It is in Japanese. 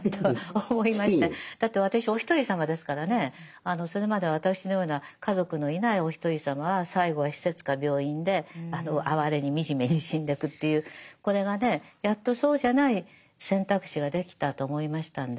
だって私おひとりさまですからねそれまでは私のような家族のいないおひとりさまは最後は施設か病院で哀れに惨めに死んでくっていうこれがねやっとそうじゃない選択肢ができたと思いましたんで。